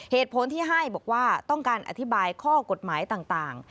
เหตุผลที่ให้บอกว่าต้องการอธิบายข้อกฎหมายต่าง